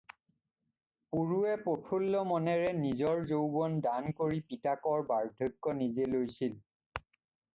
পুৰুয়ে প্ৰফুল্ল মনেৰে নিজৰ যৌবন দান কৰি পিতাৰ বাৰ্দ্ধক্য নিজে লৈছিল।